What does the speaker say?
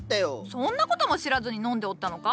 そんな事も知らずに飲んでおったのか？